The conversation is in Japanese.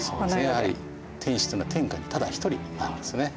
やはり天子っていうのは天下にただ一人なんですね。